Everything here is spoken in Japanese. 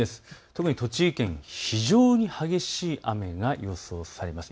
特に栃木県、非常に激しい雨が予想されます。